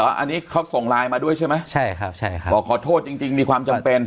อันนี้เขาส่งไลน์มาด้วยใช่ไหมใช่ครับใช่ครับบอกขอโทษจริงจริงมีความจำเป็น